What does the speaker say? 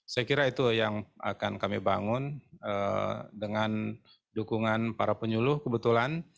saya kira itu yang akan kami bangun dengan dukungan para penyuluh kebetulan